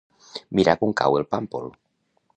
Mirar com cau el pàmpol.